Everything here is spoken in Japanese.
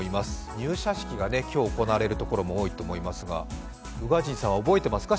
入社式が今日行われるところも多いと思いますが、宇賀神さんは覚えていますか？